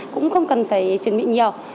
cũng không cần phải chuẩn bị nhiều